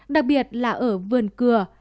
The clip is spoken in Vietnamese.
đặc biệt là ở vườn cừa